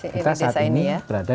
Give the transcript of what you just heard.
kita saat ini berada